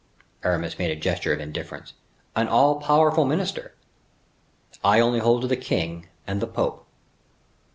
Aramis made a gesture of indifference. "An all powerful minister." "I only hold to the king and the pope."